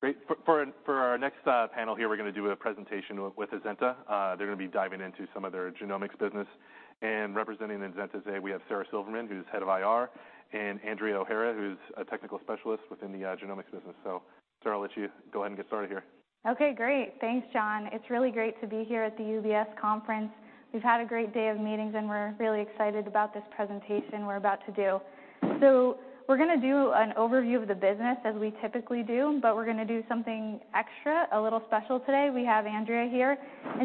Great. For, for, for our next panel here, we're gonna do a presentation with, with Azenta. They're gonna be diving into some of their genomics business. Representing Azenta today, we have Sara Silverman, who's Head of IR, and Andrea O'Hara, who's a Technical Specialist within the genomics business. Sara, I'll let you go ahead and get started here. Okay, great. Thanks, John. It's really great to be here at the UBS conference. We've had a great day of meetings. We're really excited about this presentation we're about to do. We're gonna do an overview of the business, as we typically do. We're gonna do something extra, a little special today. We have Andrea here.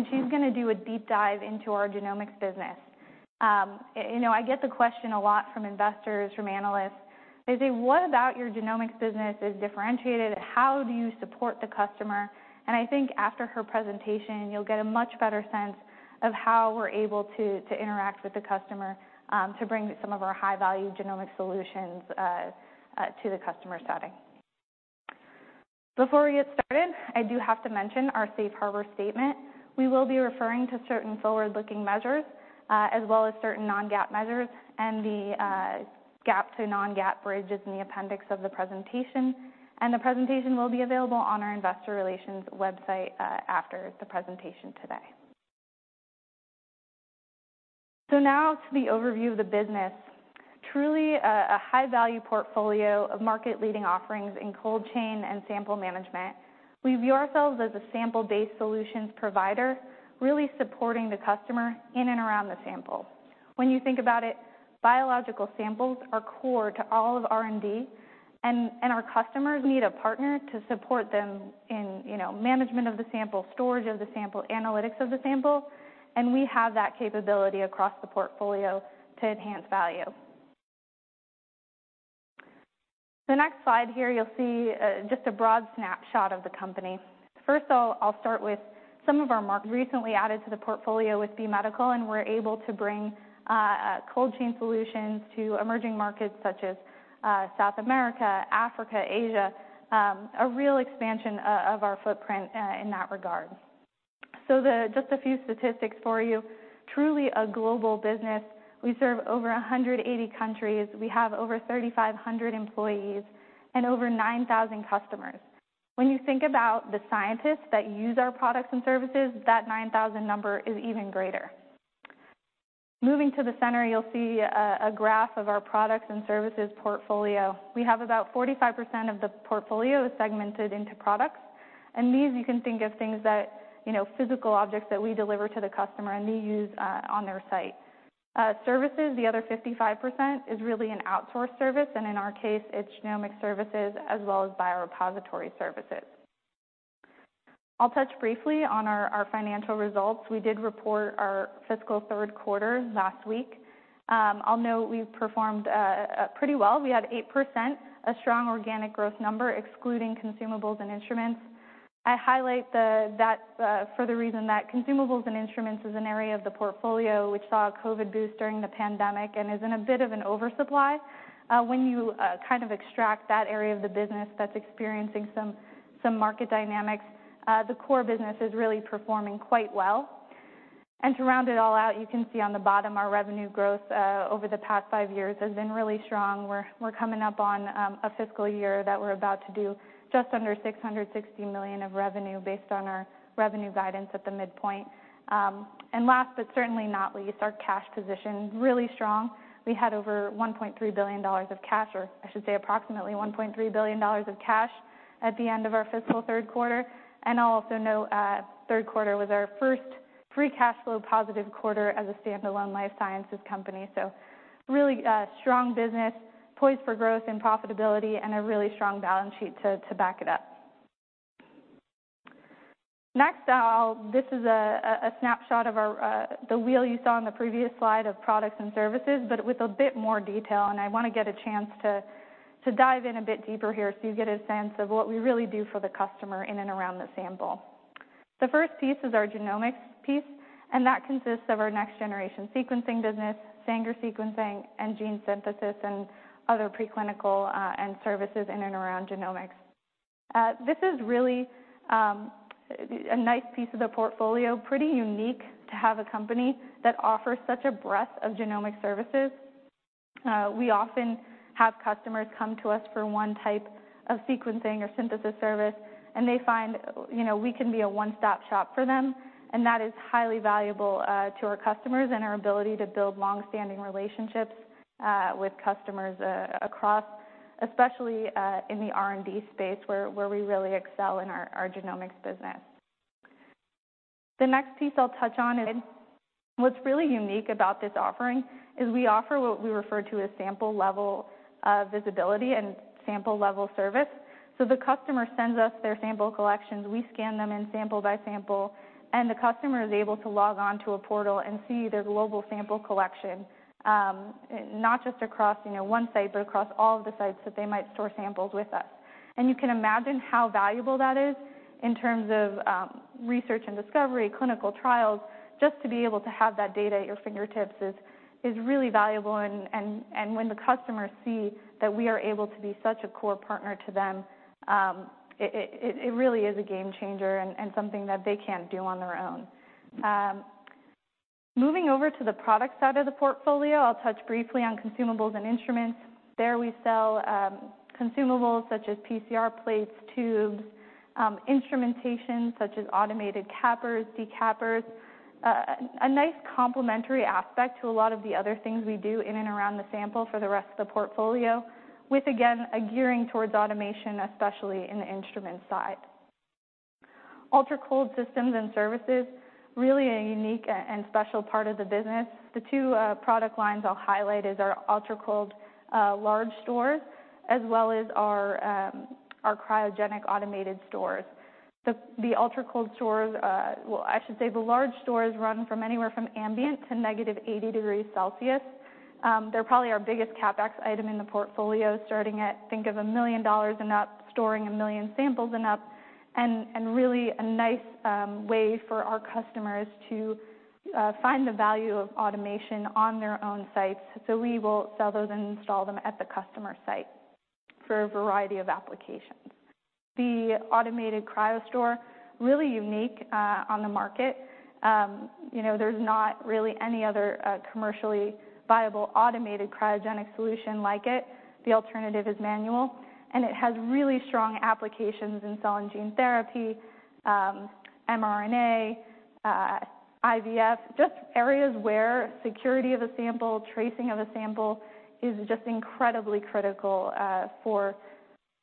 She's gonna do a deep dive into our genomics business. You know, I get the question a lot from investors, from analysts. They say: What about your genomics business is differentiated? How do you support the customer? I think after her presentation, you'll get a much better sense of how we're able to, to interact with the customer, to bring some of our high-value genomic solutions to the customer setting. Before we get started, I do have to mention our safe harbor statement. We will be referring to certain forward-looking measures, as well as certain non-GAAP measures, and the GAAP to non-GAAP bridge is in the appendix of the presentation, and the presentation will be available on our investor relations website after the presentation today. Now to the overview of the business. Truly, a high-value portfolio of market-leading offerings in cold chain and sample management. We view ourselves as a sample-based solutions provider, really supporting the customer in and around the sample. When you think about it, biological samples are core to all of R&D, and our customers need a partner to support them in, you know, management of the sample, storage of the sample, analytics of the sample, and we have that capability across the portfolio to enhance value. The next slide here, you'll see just a broad snapshot of the company. I'll start with some of our mark recently added to the portfolio with B Medical Systems. We're able to bring cold chain solutions to emerging markets such as South America, Africa, Asia, a real expansion of our footprint in that regard. Just a few statistics for you. Truly a global business. We serve over 180 countries. We have over 3,500 employees and over 9,000 customers. When you think about the scientists that use our products and services, that 9,000 number is even greater. Moving to the center, you'll see a graph of our products and services portfolio. We have about 45% of the portfolio segmented into products. These, you can think of things that, you know, physical objects that we deliver to the customer and they use on their site. Services, the other 55%, is really an outsourced service. In our case, it's genomic services as well as biorepository services. I'll touch briefly on our, our financial results. We did report our fiscal Q3 last week. I'll note we've performed pretty well. We had 8%, a strong organic growth number, excluding consumables and instruments. I highlight the, that, for the reason that consumables and instruments is an area of the portfolio which saw a COVID boost during the pandemic and is in a bit of an oversupply. When you kind of extract that area of the business that's experiencing some, some market dynamics, the core business is really performing quite well. To round it all out, you can see on the bottom, our revenue growth over the past five years has been really strong. We're, we're coming up on a fiscal year that we're about to do just under $660 million of revenue based on our revenue guidance at the midpoint. Last, but certainly not least, our cash position, really strong. We had over $1.3 billion of cash, or I should say approximately $1.3 billion of cash at the end of our fiscal Q3. I'll also note, Q3 was our first free cash flow positive quarter as a standalone life sciences company. Really strong business, poised for growth and profitability, and a really strong balance sheet to back it up. This is a snapshot of our the wheel you saw on the previous slide of products and services, but with a bit more detail, and I want to get a chance to dive in a bit deeper here so you get a sense of what we really do for the customer in and around the sample. The first piece is our genomics piece, and that consists of our next-generation sequencing business, Sanger sequencing, and gene synthesis, and other preclinical services in and around genomics. This is really a nice piece of the portfolio. Pretty unique to have a company that offers such a breadth of genomic services. We often have customers come to us for one type of sequencing or synthesis service, and they find, you know, we can be a one-stop shop for them, and that is highly valuable to our customers and our ability to build long-standing relationships with customers across, especially, in the R&D space, where, where we really excel in our, our genomics business. The next piece I'll touch on is. What's really unique about this offering is we offer what we refer to as sample-level visibility and sample-level service. The customer sends us their sample collections, we scan them in sample by sample, and the customer is able to log on to a portal and see their global sample collection, not just across, you know, one site, but across all of the sites that they might store samples with us. You can imagine how valuable that is in terms of research and discovery, clinical trials. Just to be able to have that data at your fingertips is, is really valuable, and, and, and when the customers see that we are able to be such a core partner to them, it, it, it really is a game changer and, and something that they can't do on their own. Moving over to the product side of the portfolio, I'll touch briefly on consumables and instruments. There we sell, consumables such as PCR plates, tubes, instrumentation such as automated cappers, decappers, a nice complementary aspect to a lot of the other things we do in and around the sample for the rest of the portfolio, with, again, a gearing towards automation, especially in the instrument side. Ultra-cold systems and services, really a unique and special part of the business. The two product lines I'll highlight is our ultra-cold large stores, as well as our cryogenic automated stores. The ultra-cold stores, well, I should say the large stores run from anywhere from ambient to -80 degrees Celsius. They're probably our biggest CapEx item in the portfolio, starting at, think of $1 million and up, storing 1 million samples and up, and really a nice way for our customers to find the value of automation on their own sites. We will sell those and install them at the customer site for a variety of applications. The automated cryostore, really unique on the market. You know, there's not really any other commercially viable automated cryogenic solution like it. The alternative is manual, and it has really strong applications in cell and gene therapy, mRNA, IVF, just areas where security of a sample, tracing of a sample is just incredibly critical for,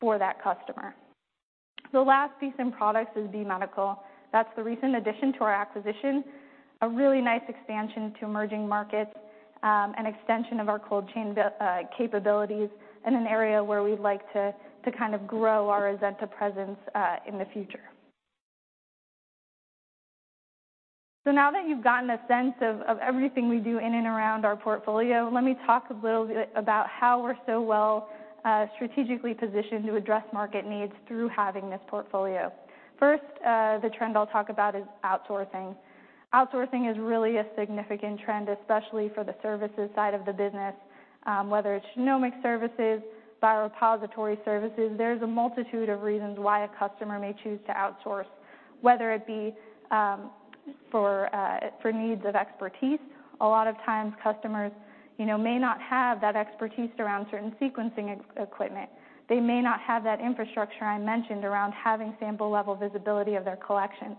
for that customer. The last piece in products is B Medical. That's the recent addition to our acquisition, a really nice expansion to emerging markets, an extension of our cold chain capabilities in an area where we'd like to, to kind of grow our Azenta presence in the future. Now that you've gotten a sense of, of everything we do in and around our portfolio, let me talk a little bit about how we're so well strategically positioned to address market needs through having this portfolio. First, the trend I'll talk about is outsourcing. Outsourcing is really a significant trend, especially for the services side of the business. Whether it's genomics services, biorepository services, there's a multitude of reasons why a customer may choose to outsource. Whether it be for needs of expertise, a lot of times customers, you know, may not have that expertise around certain sequencing equipment. They may not have that infrastructure I mentioned around having sample-level visibility of their collections.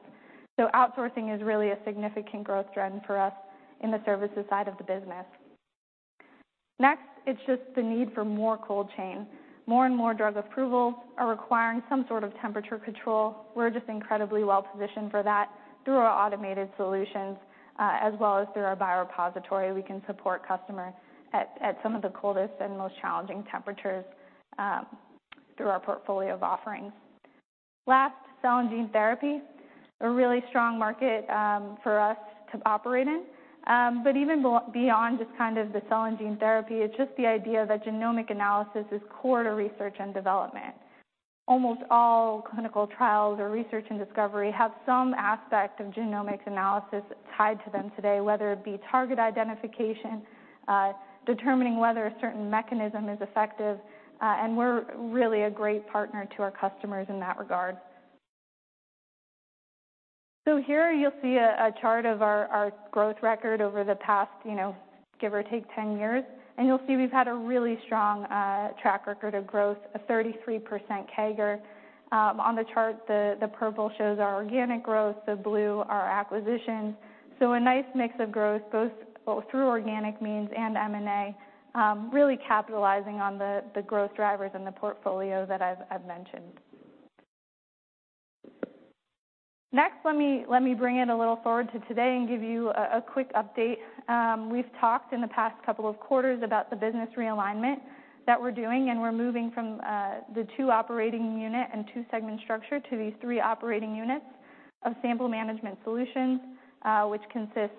Outsourcing is really a significant growth trend for us in the services side of the business. It's just the need for more cold chain. More and more drug approvals are requiring some sort of temperature control. We're just incredibly well-positioned for that through our automated solutions, as well as through our biorepository. We can support customers at some of the coldest and most challenging temperatures, through our portfolio of offerings. Cell and gene therapy, a really strong market for us to operate in. Even beyond just kind of the cell and gene therapy, it's just the idea that genomic analysis is core to research and development. Almost all clinical trials or research and discovery have some aspect of genomics analysis tied to them today, whether it be target identification, determining whether a certain mechanism is effective, and we're really a great partner to our customers in that regard. Here you'll see a, a chart of our, our growth record over the past, you know, give or take, 10 years, and you'll see we've had a really strong track record of growth, a 33% CAGR. On the chart, the, the purple shows our organic growth, the blue, our acquisitions. A nice mix of growth, both, both through organic means and M&A, really capitalizing on the, the growth drivers and the portfolio that I've, I've mentioned. Let me, let me bring it a little forward to today and give you a, a quick update. We've talked in the past couple of quarters about the business realignment that we're doing, and we're moving from the two operating unit and two segment structure to these three operating units of Sample Management Solutions, which consists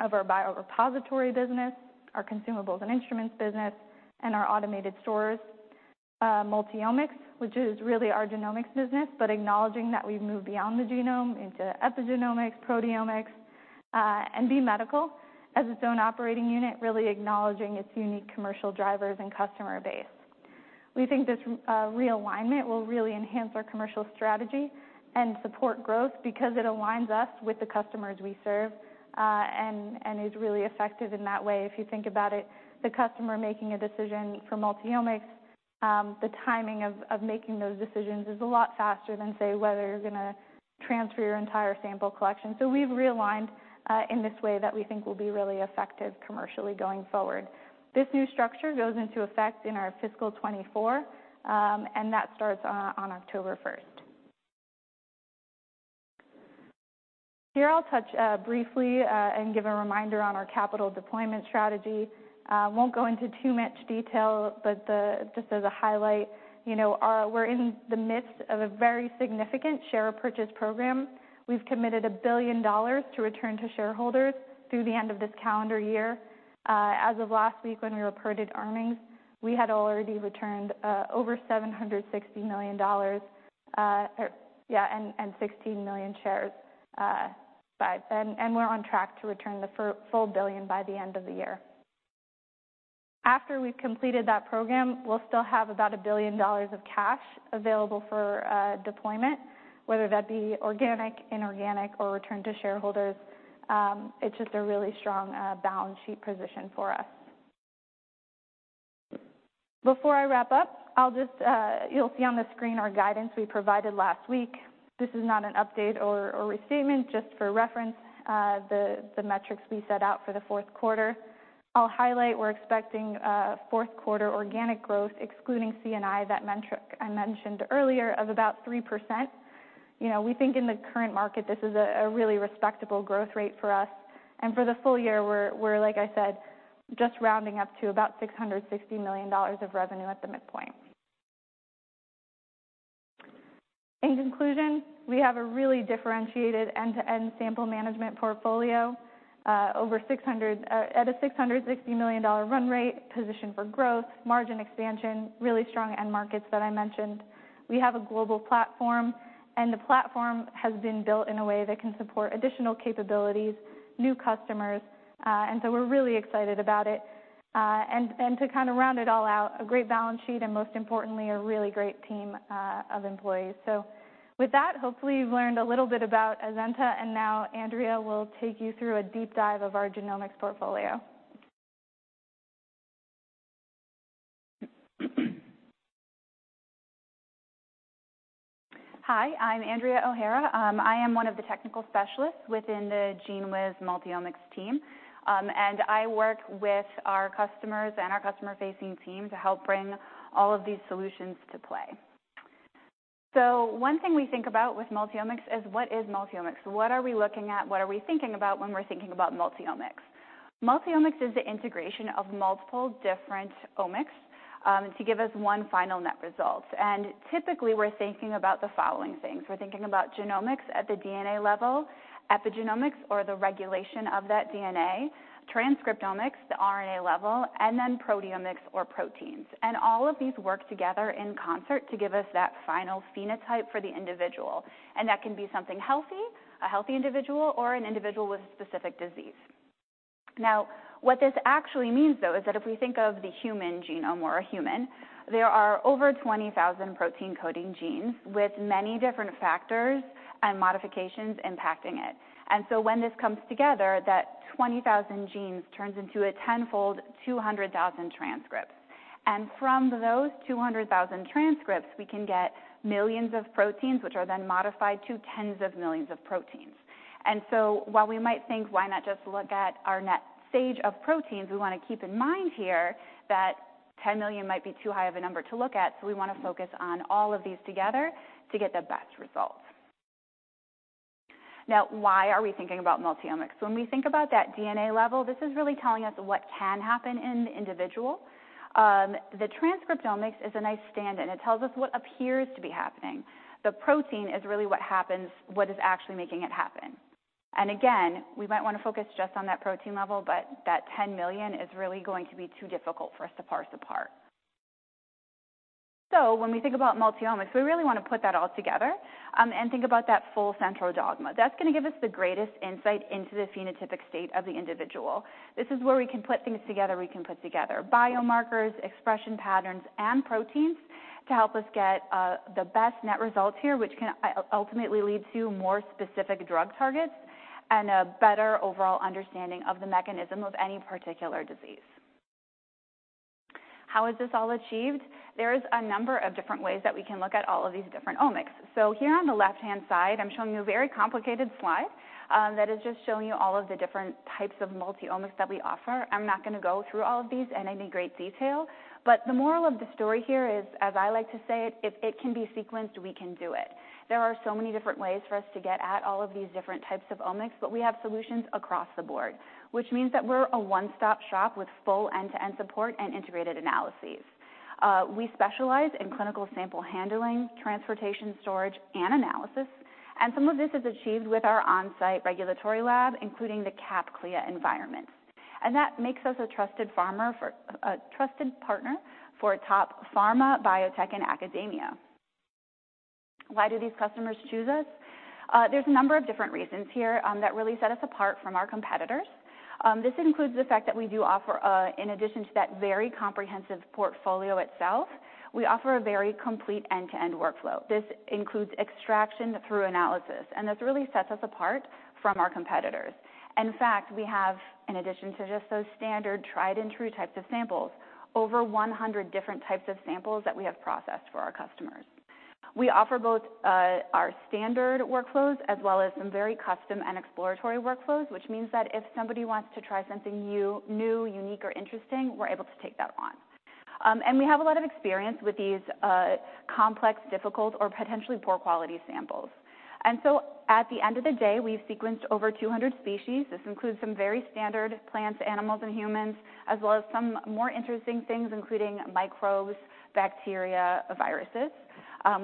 of our biorepository business, our consumables and instruments business, and our automated stores, Multiomics, which is really our genomics business, but acknowledging that we've moved beyond the genome into epigenomics, proteomics, and B Medical as its own operating unit, really acknowledging its unique commercial drivers and customer base. We think this realignment will really enhance our commercial strategy and support growth because it aligns us with the customers we serve and is really effective in that way. If you think about it, the customer making a decision for Multiomics, the timing of making those decisions is a lot faster than, say, whether you're gonna transfer your entire sample collection. We've realigned in this way that we think will be really effective commercially going forward. This new structure goes into effect in our fiscal 2024, that starts on October 1st. Here I'll touch briefly and give a reminder on our capital deployment strategy. Won't go into too much detail. Just as a highlight, you know, we're in the midst of a very significant share purchase program. We've committed $1 billion to return to shareholders through the end of this calendar year. As of last week, when we reported earnings, we had already returned over $760 million, yeah, and 16 million shares by then, and we're on track to return the full $1 billion by the end of the year. After we've completed that program, we'll still have about $1 billion of cash available for deployment, whether that be organic, inorganic, or return to shareholders. It's just a really strong balance sheet position for us. Before I wrap up, I'll just, you'll see on the screen our guidance we provided last week. This is not an update or restatement, just for reference, the metrics we set out for the Q4. I'll highlight, we're expecting a Q4 organic growth, excluding C&I, that metric I mentioned earlier, of about 3%. You know, we think in the current market, this is a really respectable growth rate for us. For the full year, we're, like I said, just rounding up to about $660 million of revenue at the midpoint. In conclusion, we have a really differentiated end-to-end sample management portfolio, at a $660 million run rate, positioned for growth, margin expansion, really strong end markets that I mentioned. We have a global platform, the platform has been built in a way that can support additional capabilities, new customers, we're really excited about it. To kind of round it all out, a great balance sheet, and most importantly, a really great team of employees. With that, hopefully, you've learned a little bit about Azenta. Now Andrea will take you through a deep dive of our genomics portfolio. Hi, I'm Andrea O'Hara. I am one of the technical specialists within the GENEWIZ Multiomics team, and I work with our customers and our customer-facing team to help bring all of these solutions to play. One thing we think about with multiomics is, what is multiomics? What are we looking at? What are we thinking about when we're thinking about multiomics? Multiomics is the integration of multiple different omics, to give us one final net result. Typically, we're thinking about the following things. We're thinking about genomics at the DNA level, epigenomics or the regulation of that DNA, transcriptomics, the RNA level, and then proteomics or proteins. All of these work together in concert to give us that final phenotype for the individual, and that can be something healthy, a healthy individual, or an individual with a specific disease. Now, what this actually means, though, is that if we think of the human genome or a human, there are over 20,000 protein coding genes with many different factors and modifications impacting it. When this comes together, that 20,000 genes turns into a 10-fold, 200,000 transcripts. From those 200,000 transcripts, we can get millions of proteins, which are then modified to tens of millions of proteins. While we might think, "Why not just look at our net stage of proteins?" We want to keep in mind here that 10 million might be too high of a number to look at, so we want to focus on all of these together to get the best results. Now, why are we thinking about multiomics? When we think about that DNA level, this is really telling us what can happen in the individual. The transcriptomics is a nice stand-in. It tells us what appears to be happening. The protein is really what happens, what is actually making it happen. Again, we might want to focus just on that protein level, but that 10 million is really going to be too difficult for us to parse apart. When we think about multiomics, we really want to put that all together, and think about that full central dogma. That's going to give us the greatest insight into the phenotypic state of the individual. This is where we can put things together. We can put together biomarkers, expression patterns, and proteins to help us get the best net results here, which can ultimately lead to more specific drug targets and a better overall understanding of the mechanism of any particular disease. How is this all achieved? There's a number of different ways that we can look at all of these different omics. Here on the left-hand side, I'm showing you a very complicated slide that is just showing you all of the different types of multiomics that we offer. I'm not going to go through all of these in any great detail, but the moral of the story here is, as I like to say it, if it can be sequenced, we can do it. There are so many different ways for us to get at all of these different types of omics. We have solutions across the board, which means that we're a one-stop shop with full end-to-end support and integrated analyses. We specialize in clinical sample handling, transportation, storage, and analysis. Some of this is achieved with our on-site regulatory lab, including the CAP/CLIA environment. That makes us a trusted partner for top pharma, biotech, and academia. Why do these customers choose us? There's a number of different reasons here that really set us apart from our competitors. This includes the fact that we do offer, in addition to that very comprehensive portfolio itself, we offer a very complete end-to-end workflow. This includes extraction through analysis. This really sets us apart from our competitors. In fact, we have, in addition to just those standard tried-and-true types of samples, over 100 different types of samples that we have processed for our customers. We offer both our standard workflows as well as some very custom and exploratory workflows, which means that if somebody wants to try something new, new, unique, or interesting, we're able to take that on. We have a lot of experience with these complex, difficult, or potentially poor-quality samples. At the end of the day, we've sequenced over 200 species. This includes some very standard plants, animals, and humans, as well as some more interesting things, including microbes, bacteria, viruses.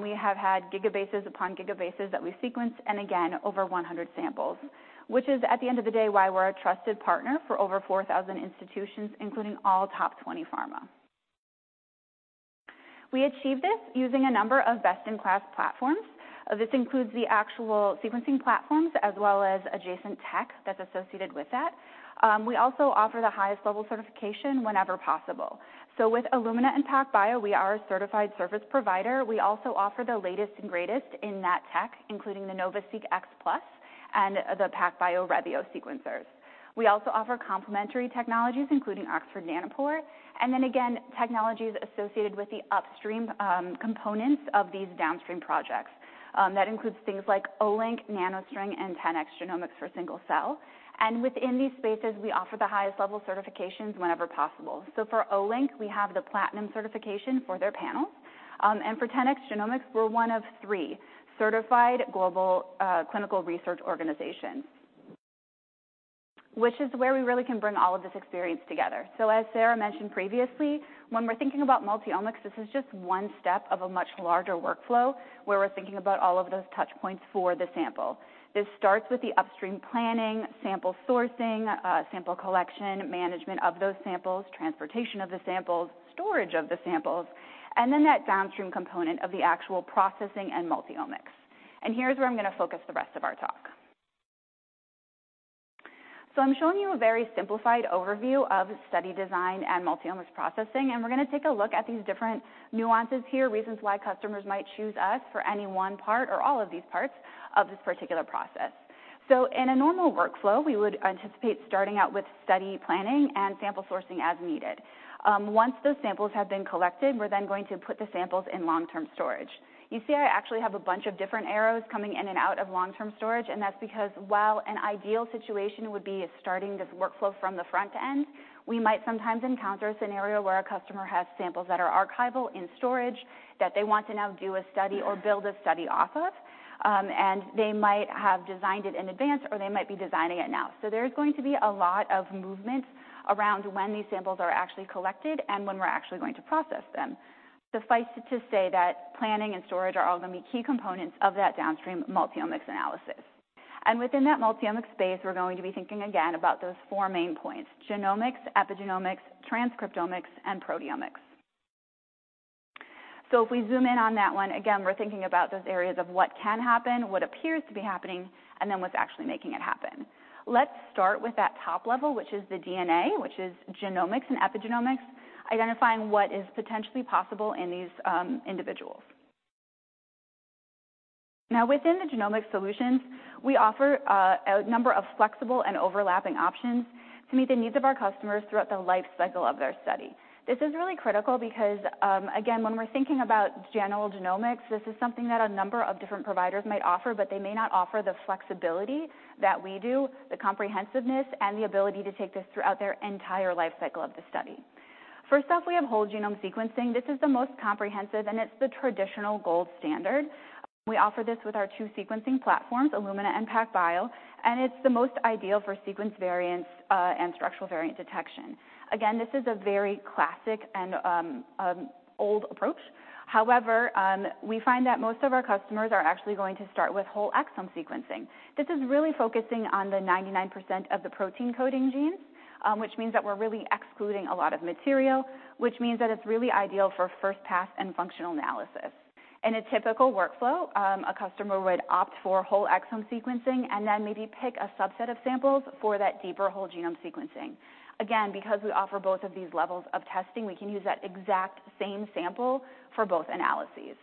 We have had gigabases upon gigabases that we sequence, and again, over 100 samples, which is, at the end of the day, why we're a trusted partner for over 4,000 institutions, including all top 20 pharmas. We achieve this using a number of best-in-class platforms. This includes the actual sequencing platforms as well as adjacent tech that's associated with that. We also offer the highest level certification whenever possible. With Illumina and PacBio, we are a certified service provider. We also offer the latest and greatest in that tech, including the NovaSeq X Plus and the PacBio Revio sequencers. We also offer complementary technologies, including Oxford Nanopore, and again, technologies associated with the upstream components of these downstream projects. That includes things like Olink, NanoString, and 10x genomics for single cell. Within these spaces, we offer the highest level certifications whenever possible. For Olink, we have the platinum certification for their panels. For 10x genomics, we're one of three certified global clinical research organizations, which is where we really can bring all of this experience together. As Sara mentioned previously, when we're thinking about multi-omics, this is just one step of a much larger workflow, where we're thinking about all of those touch points for the sample. This starts with the upstream planning, sample sourcing, sample collection, management of those samples, transportation of the samples, storage of the samples, and then that downstream component of the actual processing and multi-omics. Here's where I'm going to focus the rest of our talk. I'm showing you a very simplified overview of study design and multiomics processing, and we're going to take a look at these different nuances here, reasons why customers might choose us for any one part or all of these parts of this particular process. In a normal workflow, we would anticipate starting out with study planning and sample sourcing as needed. Once those samples have been collected, we're then going to put the samples in long-term storage. You see, I actually have a bunch of different arrows coming in and out of long-term storage, and that's because while an ideal situation would be starting this workflow from the front end, we might sometimes encounter a scenario where a customer has samples that are archival in storage that they want to now do a study or build a study off of, and they might have designed it in advance, or they might be designing it now. There's going to be a lot of movement around when these samples are actually collected and when we're actually going to process them. Suffice it to say that planning and storage are all going to be key components of that downstream multi-omics analysis. Within that multi-omics space, we're going to be thinking again about those four main points: genomics, epigenomics, transcriptomics, and proteomics. If we zoom in on that one, again, we're thinking about those areas of what can happen, what appears to be happening, and then what's actually making it happen. Let's start with that top level, which is the DNA, which is genomics and epigenomics, identifying what is potentially possible in these individuals. Now, within the genomic solutions, we offer a number of flexible and overlapping options to meet the needs of our customers throughout the life cycle of their study. This is really critical because, again, when we're thinking about general genomics, this is something that a number of different providers might offer, but they may not offer the flexibility that we do, the comprehensiveness, and the ability to take this throughout their entire life cycle of the study. First off, we have whole genome sequencing. This is the most comprehensive, and it's the traditional gold standard. We offer this with our 2 sequencing platforms, Illumina and PacBio, and it's the most ideal for sequence variants and structural variant detection. This is a very classic and old approach. We find that most of our customers are actually going to start with whole exome sequencing. This is really focusing on the 99% of the protein coding genes, which means that we're really excluding a lot of material, which means that it's really ideal for first-pass and functional analysis. In a typical workflow, a customer would opt for whole exome sequencing and then maybe pick a subset of samples for that deeper whole genome sequencing. Because we offer both of these levels of testing, we can use that exact same sample for both analyses.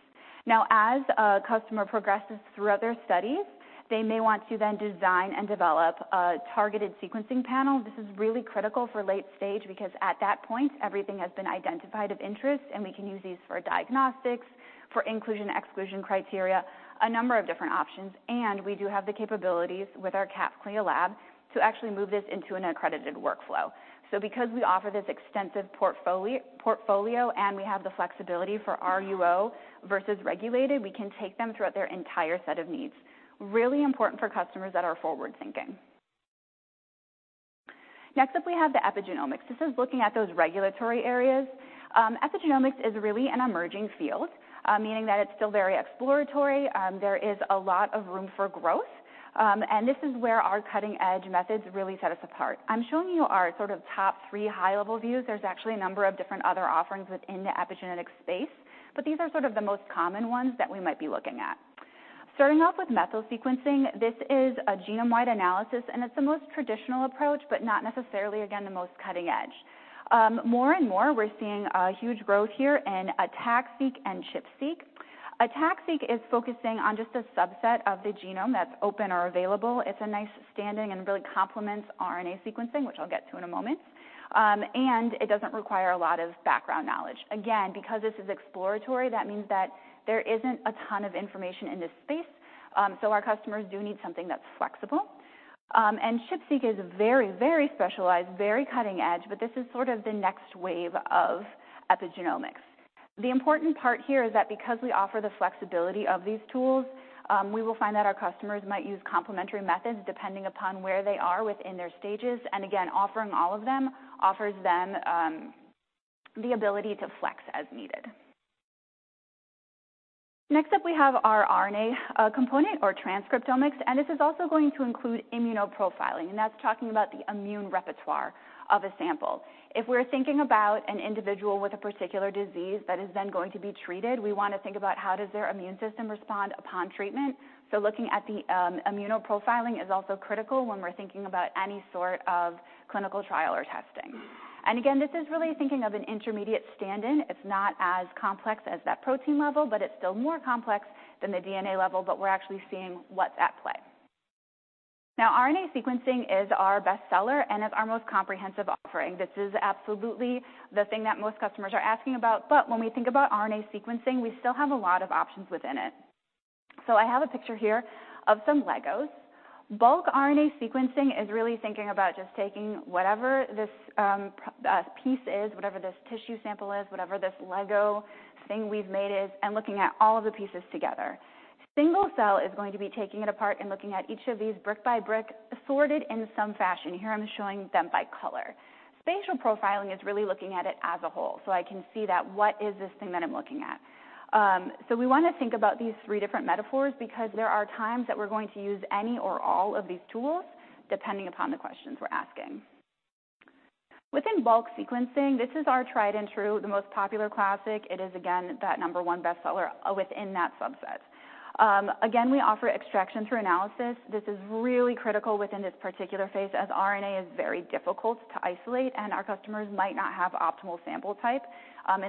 As a customer progresses throughout their studies, they may want to then design and develop a targeted sequencing panel. This is really critical for late stage because at that point, everything has been identified of interest, and we can use these for diagnostics, for inclusion/exclusion criteria, a number of different options, and we do have the capabilities with our CAP/CLIA lab to actually move this into an accredited workflow. Because we offer this extensive portfolio, and we have the flexibility for RUO versus regulated, we can take them throughout their entire set of needs. Really important for customers that are forward-thinking. Next up, we have the epigenomics. This is looking at those regulatory areas. Epigenomics is really an emerging field, meaning that it's still very exploratory, there is a lot of room for growth, this is where our cutting-edge methods really set us apart. I'm showing you our sort of top 3 high-level views. There's actually a number of different other offerings within the epigenetic space, these are sort of the most common ones that we might be looking at. Starting off with methyl sequencing, this is a genome-wide analysis, it's the most traditional approach, but not necessarily, again, the most cutting edge. More and more, we're seeing a huge growth here in ATAC-seq and ChIP-seq. ATAC-seq is focusing on just a subset of the genome that's open or available. It's a nice standing and really complements RNA sequencing, which I'll get to in a moment. It doesn't require a lot of background knowledge. Again, because this is exploratory, that means that there isn't a ton of information in this space, so our customers do need something that's flexible. ChIP-seq is very, very specialized, very cutting edge, but this is sort of the next wave of epigenomics. The important part here is that because we offer the flexibility of these tools, we will find that our customers might use complementary methods depending upon where they are within their stages, and again, offering all of them offers them, the ability to flex as needed. Next up, we have our RNA component or transcriptomics, and this is also going to include immunoprofiling, and that's talking about the immune repertoire of a sample. If we're thinking about an individual with a particular disease that is then going to be treated, we want to think about how does their immune system respond upon treatment. Looking at the immunoprofiling is also critical when we're thinking about any sort of clinical trial or testing. And again, this is really thinking of an intermediate stand-in. It's not as complex as that protein level, but it's still more complex than the DNA level, but we're actually seeing what's at play. Now, RNA sequencing is our best seller and is our most comprehensive offering. This is absolutely the thing that most customers are asking about. When we think about RNA sequencing, we still have a lot of options within it. So I have a picture here of some Legos. Bulk RNA sequencing is really thinking about just taking whatever this piece is, whatever this tissue sample is, whatever this Lego thing we've made is, and looking at all of the pieces together. Single-cell is going to be taking it apart and looking at each of these brick by brick, sorted in some fashion. Here I'm showing them by color. Spatial profiling is really looking at it as a whole, so I can see that what is this thing that I'm looking at? We want to think about these three different metaphors because there are times that we're going to use any or all of these tools, depending upon the questions we're asking. Within bulk sequencing, this is our tried-and-true, the most popular classic. It is, again, that number one best seller within that subset. Again, we offer extraction through analysis. This is really critical within this particular phase, as RNA is very difficult to isolate and our customers might not have optimal sample type.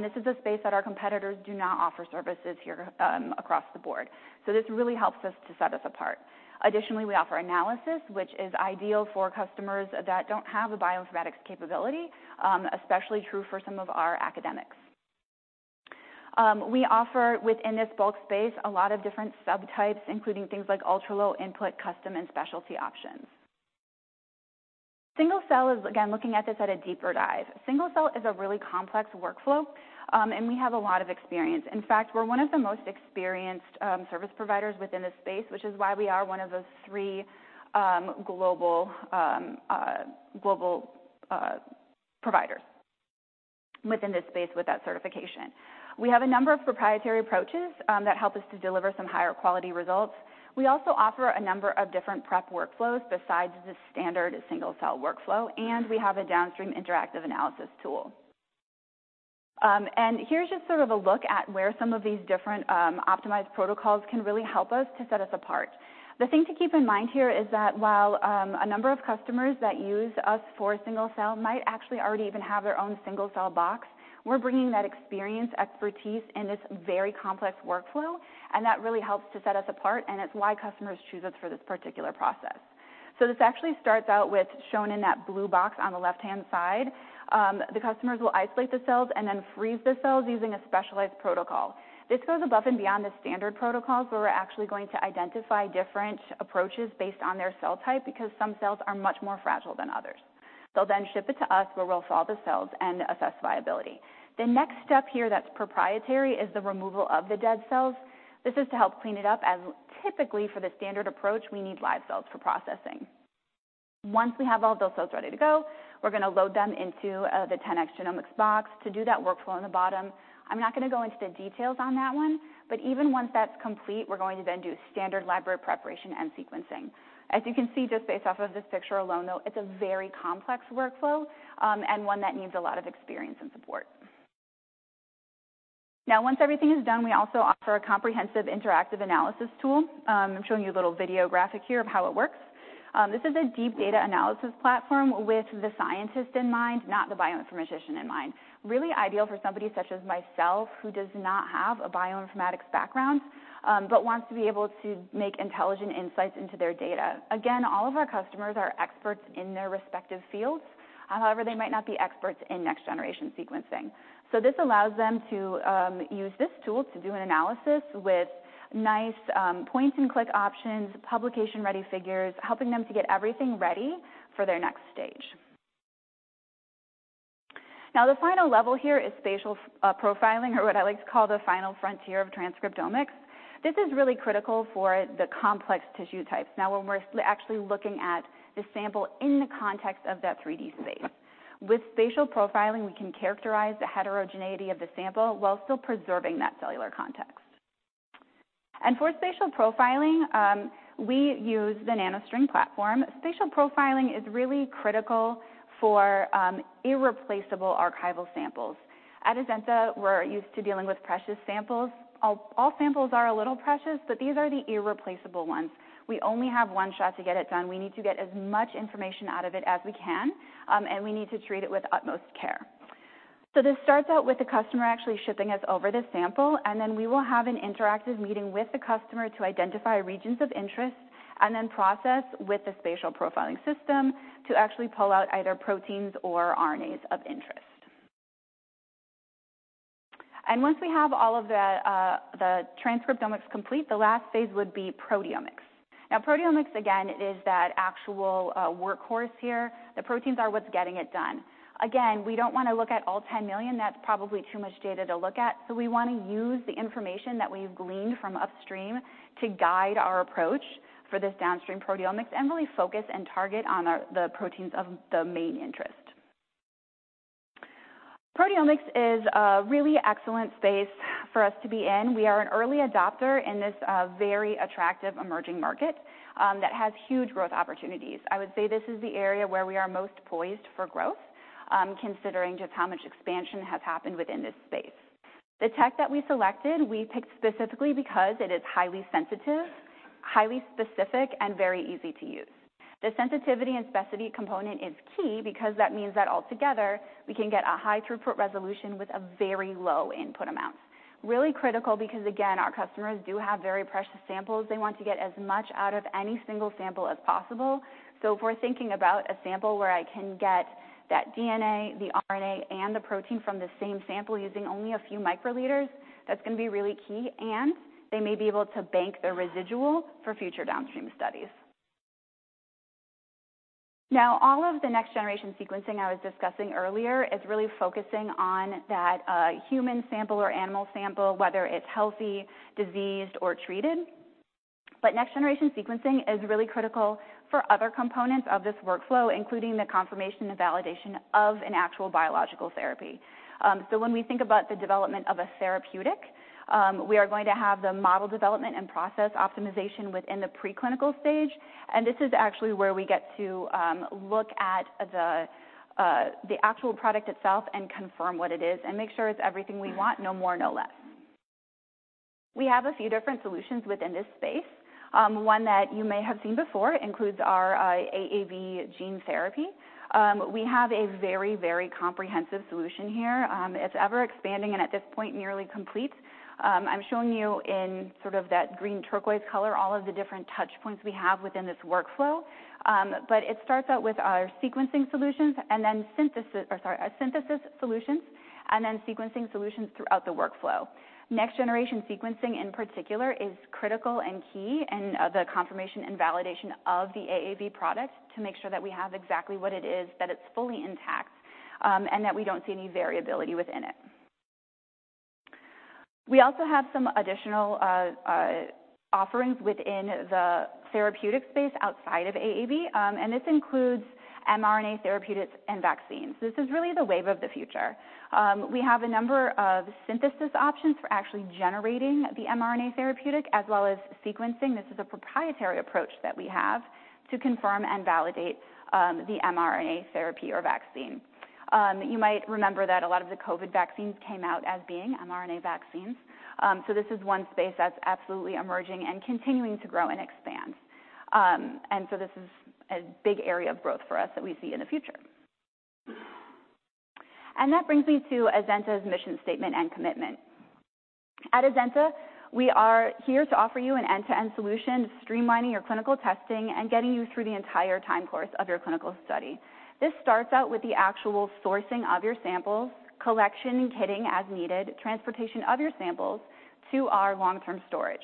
This is a space that our competitors do not offer services here across the board. This really helps us to set us apart. Additionally, we offer analysis, which is ideal for customers that don't have a bioinformatics capability, especially true for some of our academics. We offer within this bulk space a lot of different subtypes, including things like ultra-low input, custom, and specialty options. Single-cell is, again, looking at this at a deeper dive. Single-cell is a really complex workflow, and we have a lot of experience. In fact, we're one of the most experienced, service providers within this space, which is why we are one of the three, global, global, providers within this space with that certification. We have a number of proprietary approaches, that help us to deliver some higher quality results. We also offer a number of different prep workflows besides the standard single-cell workflow, and we have a downstream interactive analysis tool. Here's just sort of a look at where some of these different, optimized protocols can really help us to set us apart. The thing to keep in mind here is that while, a number of customers that use us for single-cell might actually already even have their own single-cell box, we're bringing that experience, expertise in this very complex workflow, and that really helps to set us apart, and it's why customers choose us for this particular process. This actually starts out with, shown in that blue box on the left-hand side, the customers will isolate the cells and then freeze the cells using a specialized protocol. This goes above and beyond the standard protocols, where we're actually going to identify different approaches based on their cell type because some cells are much more fragile than others. They'll then ship it to us, where we'll thaw the cells and assess viability. The next step here that's proprietary is the removal of the dead cells. This is to help clean it up, as typically for the standard approach, we need live cells for processing. Once we have all of those cells ready to go, we're going to load them into, the 10x genomics box to do that workflow on the bottom. I'm not going to go into the details on that one, even once that's complete, we're going to then do standard library preparation and sequencing. As you can see, just based off of this picture alone, though, it's a very complex workflow, and one that needs a lot of experience and support. Once everything is done, we also offer a comprehensive interactive analysis tool. I'm showing you a little video graphic here of how it works. This is a deep data analysis platform with the scientist in mind, not the bioinformatician in mind. Really ideal for somebody such as myself, who does not have a bioinformatics background, but wants to be able to make intelligent insights into their data. Again, all of our customers are experts in their respective fields. However, they might not be experts in next-generation sequencing. This allows them to use this tool to do an analysis with nice point-and-click options, publication-ready figures, helping them to get everything ready for their next stage. The final level here is spatial profiling, or what I like to call the final frontier of transcriptomics. This is really critical for the complex tissue types. When we're actually looking at the sample in the context of that 3D space. With spatial profiling, we can characterize the heterogeneity of the sample while still preserving that cellular context. For spatial profiling, we use the NanoString platform. Spatial profiling is really critical for irreplaceable archival samples. At Azenta, we're used to dealing with precious samples. All, all samples are a little precious, but these are the irreplaceable ones. We only have one shot to get it done. We need to get as much information out of it as we can, and we need to treat it with utmost care. This starts out with the customer actually shipping us over the sample, and then we will have an interactive meeting with the customer to identify regions of interest and then process with the spatial profiling system to actually pull out either proteins or RNAs of interest. Once we have all of the transcriptomics complete, the last phase would be proteomics. Proteomics, again, is that actual workhorse here. The proteins are what's getting it done. We don't want to look at all 10 million. That's probably too much data to look at. We want to use the information that we've gleaned from upstream to guide our approach for this downstream proteomics and really focus and target on our-- the proteins of the main interest. Proteomics is a really excellent space for us to be in. We are an early adopter in this very attractive emerging market that has huge growth opportunities. I would say this is the area where we are most poised for growth, considering just how much expansion has happened within this space. The tech that we selected, we picked specifically because it is highly sensitive, highly specific, and very easy to use. The sensitivity and specificity component is key because that means altogether, we can get a high-throughput resolution with a very low input amount. Really critical because, again, our customers do have very precious samples. They want to get as much out of any single sample as possible. If we're thinking about a sample where I can get that DNA, the RNA, and the protein from the same sample using only a few microliters, that's going to be really key, and they may be able to bank the residual for future downstream studies. Now, all of the next-generation sequencing I was discussing earlier is really focusing on that human sample or animal sample, whether it's healthy, diseased, or treated. Next-generation sequencing is really critical for other components of this workflow, including the confirmation and validation of an actual biological therapy. When we think about the development of a therapeutic, we are going to have the model development and process optimization within the preclinical stage, and this is actually where we get to look at the actual product itself and confirm what it is and make sure it's everything we want, no more, no less. We have a few different solutions within this space. One that you may have seen before includes our AAV gene therapy. We have a very, very comprehensive solution here. It's ever-expanding and, at this point, nearly complete. I'm showing you in sort of that green turquoise color, all of the different touch points we have within this workflow. But it starts out with our sequencing solutions and then synthesis... or sorry, a synthesis solutions and then sequencing solutions throughout the workflow. Next-generation sequencing, in particular, is critical and key in the confirmation and validation of the AAV product to make sure that we have exactly what it is, that it's fully intact, and that we don't see any variability within it. We also have some additional offerings within the therapeutic space outside of AAV, and this includes mRNA therapeutics and vaccines. This is really the wave of the future. We have a number of synthesis options for actually generating the mRNA therapeutic as well as sequencing. This is a proprietary approach that we have to confirm and validate the mRNA therapy or vaccine. You might remember that a lot of the COVID vaccines came out as being mRNA vaccines. This is one space that's absolutely emerging and continuing to grow and expand. This is a big area of growth for us that we see in the future. That brings me to Azenta's mission statement and commitment. At Azenta, we are here to offer you an end-to-end solution, streamlining your clinical testing and getting you through the entire time course of your clinical study. This starts out with the actual sourcing of your samples, collection and kitting as needed, transportation of your samples to our long-term storage.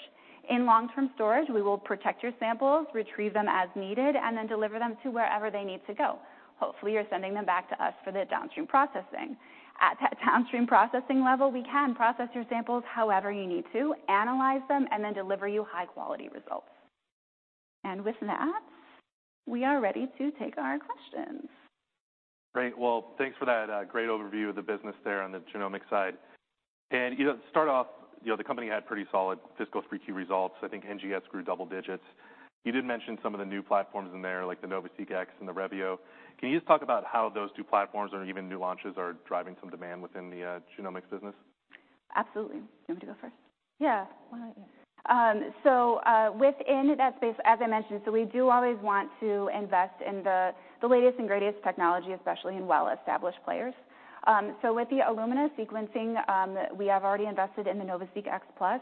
In long-term storage, we will protect your samples, retrieve them as needed, and then deliver them to wherever they need to go. Hopefully, you're sending them back to us for the downstream processing. At that downstream processing level, we can process your samples however you need to, analyze them, and then deliver you high-quality results. With that, we are ready to take our questions. Great. Well, thanks for that great overview of the business there on the genomics side. You know, to start off, you know, the company had pretty solid fiscal 3Q results. I think NGS grew double digits. You did mention some of the new platforms in there, like the NovaSeq X and the Revio. Can you just talk about how those two platforms or even new launches are driving some demand within the genomics business? Absolutely. You want me to go first? Yeah. Why don't you? Within that space, as I mentioned, we do always want to invest in the latest and greatest technology, especially in well-established players. With the Illumina sequencing, we have already invested in the NovaSeq X Plus.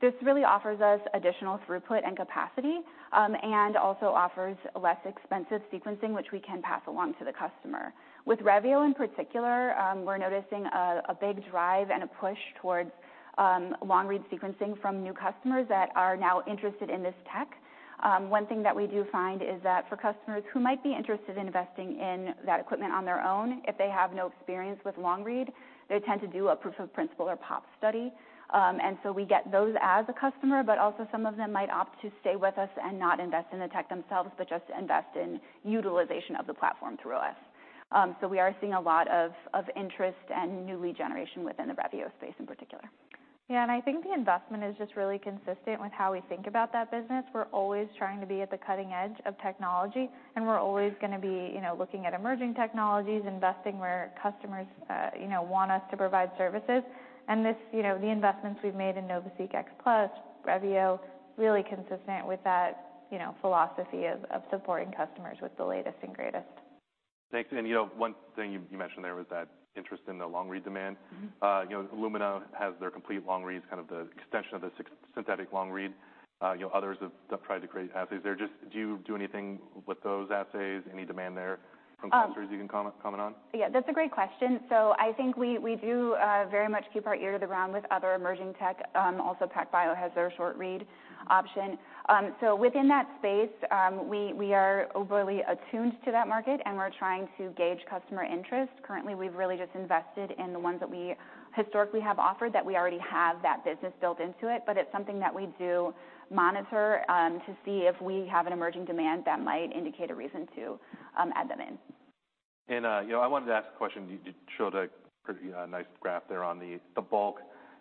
This really offers us additional throughput and capacity, and also offers less expensive sequencing, which we can pass along to the customer. With Revio in particular, we're noticing a big drive and a push towards long-read sequencing from new customers that are now interested in this tech. One thing that we do find is that for customers who might be interested in investing in that equipment on their own, if they have no experience with long-read, they tend to do a proof of principle or POP study. We get those as a customer, but also some of them might opt to stay with us and not invest in the tech themselves, but just invest in utilization of the platform through us. We are seeing a lot of, of interest and new lead generation within the Revio space in particular. Yeah, I think the investment is just really consistent with how we think about that business. We're always trying to be at the cutting edge of technology, and we're always going to be, you know, looking at emerging technologies, investing where customers, you know, want us to provide services. This, you know, the investments we've made in NovaSeq X Plus, Revio, really consistent with that, you know, philosophy of, of supporting customers with the latest and greatest. Thanks. You know, one thing you mentioned there was that interest in the long-read demand. You know, Illumina has their complete long-read, kind of the extension of the sy- synthetic long-read. You know, others have tried to create assays. They're just... Do you do anything with those assays? Any demand there from customers you can comment on? Yeah, that's a great question. I think we, we do very much keep our ear to the ground with other emerging tech. PacBio has their short-read option. Within that space, we, we are overly attuned to that market, and we're trying to gauge customer interest. Currently, we've really just invested in the ones that we historically have offered, that we already have that business built into it. It's something that we do monitor to see if we have an emerging demand that might indicate a reason to add them in. You know, I wanted to ask a question. You, you showed a pretty, nice graph there on the, the bulk,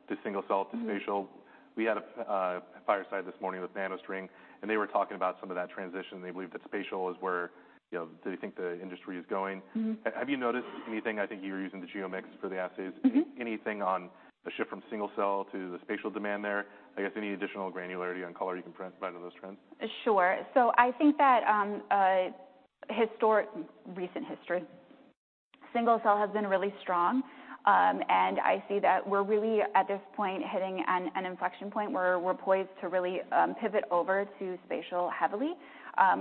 the single-cell, the spatial. We had a fireside this morning with NanoString, and they were talking about some of that transition. They believe that spatial is where, you know, they think the industry is going. Have you noticed anything? I think you were using the GeoMx for the assays. Anything on the shift from single-cell to the spatial demand there? I guess any additional granularity on color you can provide on those trends? Sure. I think that historic, recent history, single cell has been really strong. I see that we're really, at this point, hitting an inflection point where we're poised to really pivot over to spatial heavily.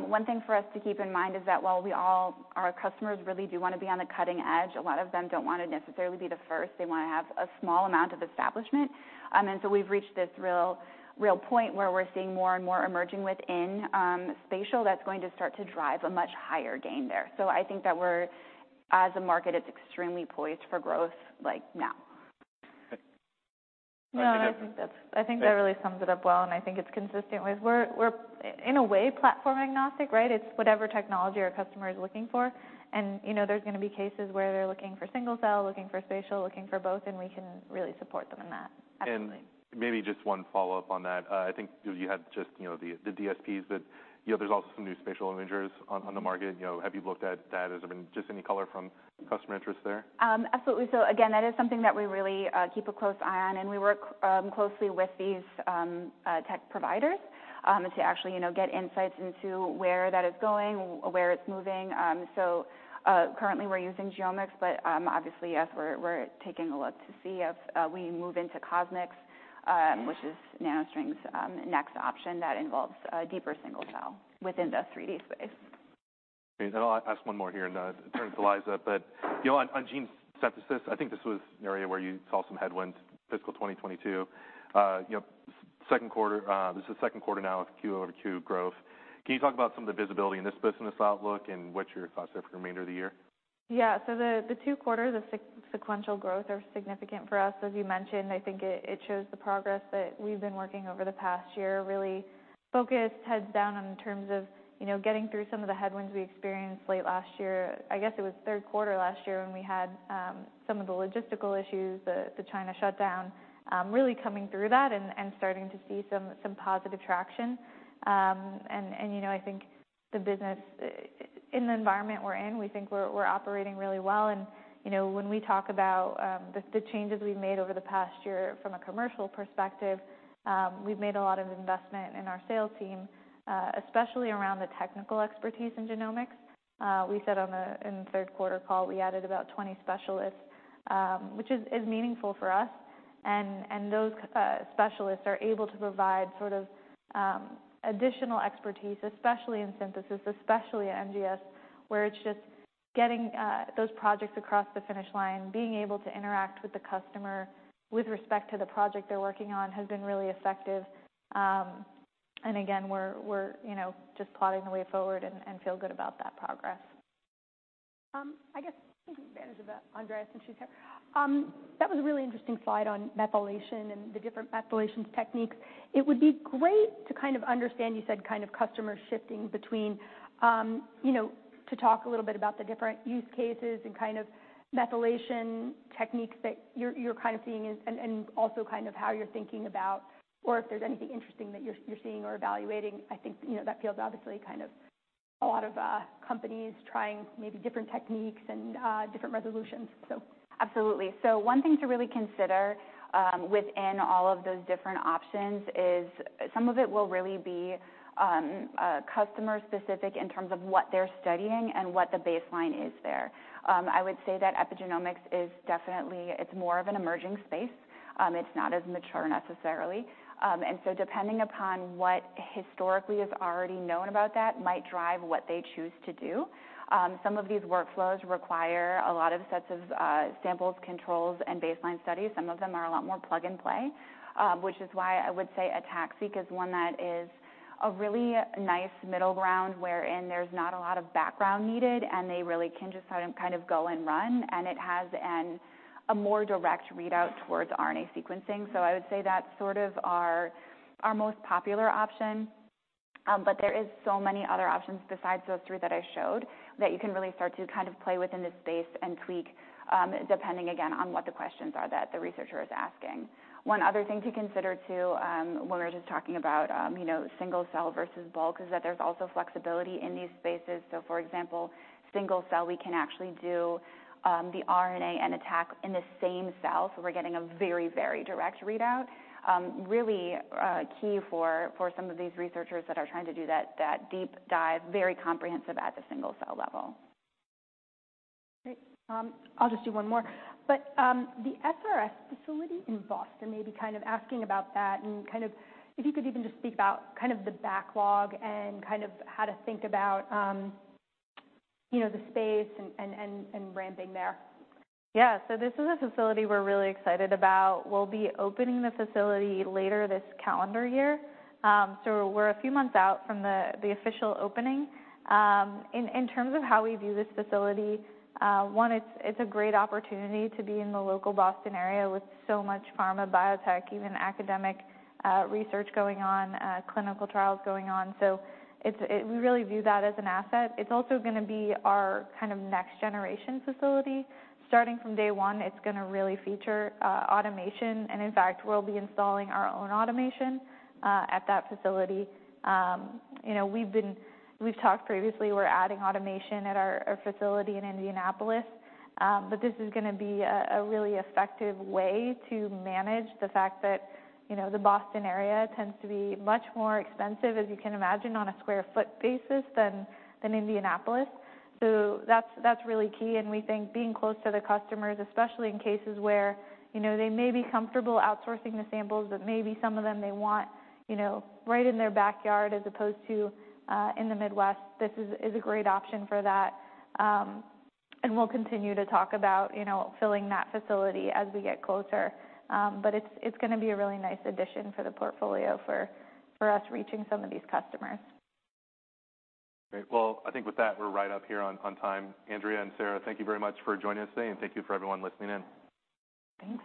One thing for us to keep in mind is that while our customers really do want to be on the cutting edge, a lot of them don't want to necessarily be the first. They want to have a small amount of establishment. We've reached this real, real point where we're seeing more and more emerging within spatial that's going to start to drive a much higher gain there. I think that we're, as a market, it's extremely poised for growth, like, now. Okay. No, I think that's- I think that really sums it up well, and I think it's consistent with we're, we're in a way, platform agnostic, right? It's whatever technology our customer is looking for. You know, there's gonna be cases where they're looking for single-cell, looking for spatial, looking for both, and we can really support them in that. Absolutely. Maybe just one follow-up on that. I think you had just, you know, the, the DSPs, but, you know, there's also some new spatial imagers on, on the market. You know, have you looked at that? Has there been just any color from customer interest there? Absolutely. Again, that is something that we really keep a close eye on, and we work closely with these tech providers to actually, you know, get insights into where that is going, where it's moving. Currently, we're using GeoMx, obviously, yes, we're taking a look to see if we move into CosMx, which is NanoString's next option that involves deeper single-cell within the 3D space. Great. I'll ask one more here, and turn it to Liza. You know, on, on gene synthesis, I think this was an area where you saw some headwinds, fiscal 2022. You know, Q2, this is the Q2 now of quarter-over-quarter growth. Can you talk about some of the visibility in this business outlook and what's your thoughts there for the remainder of the year? Yeah. The 2 quarters of sequential growth are significant for us. As you mentioned, I think it shows the progress that we've been working over the past year, really focused, heads down in terms of, you know, getting through some of the headwinds we experienced late last year. I guess it was 3rd quarter last year when we had some of the logistical issues, the China shutdown, really coming through that and starting to see some positive traction. You know, I think the business in the environment we're in, we think we're operating really well. You know, when we talk about the changes we've made over the past year from a commercial perspective, we've made a lot of investment in our sales team, especially around the technical expertise in genomics. We said on the, in the Q3 call, we added about 20 specialists, which is meaningful for us. Those specialists are able to provide sort of additional expertise, especially in synthesis, especially at NGS, where it's just getting those projects across the finish line. Being able to interact with the customer with respect to the project they're working on, has been really effective. Again, we're, we're, you know, just plotting the way forward and feel good about that progress. I guess, taking advantage of that, Andrea, since she's here. That was a really interesting slide on methylation and the different methylation techniques. It would be great to kind of understand, you said, kind of customer shifting between, you know, to talk a little bit about the different use cases and kind of methylation techniques that you're, you're kind of seeing and also kind of how you're thinking about, or if there's anything interesting that you're, you're seeing or evaluating? I think, you know, that feels obviously kind of a lot of companies trying maybe different techniques and different resolutions, so. Absolutely. One thing to really consider, within all of those different options is some of it will really be customer specific in terms of what they're studying and what the baseline is there. I would say that epigenomics is definitely. It's more of an emerging space. It's not as mature necessarily, depending upon what historically is already known about that, might drive what they choose to do. Some of these workflows require a lot of sets of samples, controls, and baseline studies. Some of them are a lot more plug and play, which is why I would say ATAC-seq is one that is a really nice middle ground, wherein there's not a lot of background needed, and they really can just kind of go and run, and it has a more direct readout towards RNA sequencing. I would say that's sort of our, our most popular option, but there is so many other options besides those three that I showed, that you can really start to kind of play within this space and tweak, depending again, on what the questions are that the researcher is asking. One other thing to consider, too, when we're just talking about, you know, single-cell versus bulk, is that there's also flexibility in these spaces. For example, single-cell, we can actually do the RNA and ATAC-seq in the same cell, so we're getting a very, very direct readout. Really key for, for some of these researchers that are trying to do that, that deep dive, very comprehensive at the single-cell level. Great. I'll just do one more. The SRS facility in Boston, maybe kind of asking about that and kind of if you could even just speak about kind of the backlog and kind of how to think about, you know, the space and ramping there? Yeah. This is a facility we're really excited about. We'll be opening the facility later this calendar year. We're a few months out from the official opening. In terms of how we view this facility, one, it's a great opportunity to be in the local Boston area with so much pharma, biotech, even academic research going on, clinical trials going on. We really view that as an asset. It's also gonna be our kind of next generation facility. Starting from day one, it's gonna really feature automation, and in fact, we'll be installing our own automation at that facility. You know, we've talked previously, we're adding automation at our, our facility in Indianapolis, but this is gonna be a, a really effective way to manage the fact that, you know, the Boston area tends to be much more expensive, as you can imagine, on a square foot basis than, than Indianapolis. That's, that's really key, and we think being close to the customers, especially in cases where, you know, they may be comfortable outsourcing the samples, but maybe some of them they want, you know, right in their backyard as opposed to, in the Midwest, this is, is a great option for that. We'll continue to talk about, you know, filling that facility as we get closer. It's, it's gonna be a really nice addition for the portfolio for, for us reaching some of these customers. Great. Well, I think with that, we're right up here on time. Andrea and Sara, thank you very much for joining us today. Thank you for everyone listening in. Thanks.